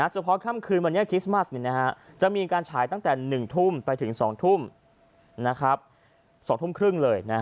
เฉพาะค่ำคืนวันนี้คริสต์มัสจะมีการฉายตั้งแต่๑ทุ่มไปถึง๒ทุ่ม๒ทุ่มครึ่งเลย